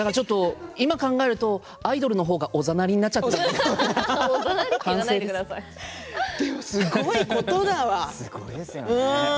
今考えるとアイドルの方がおざなりになってでもすごいことだわ。